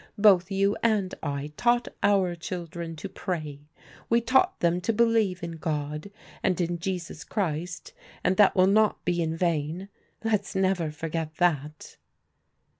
Both you and I taught our children to pray. We taught them to believe in God, and in Jesus Christ, and that will not be in vain. Let's never forget that."